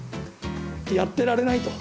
やってられないと。